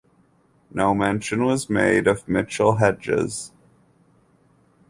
No mention was made of Mitchell-Hedges.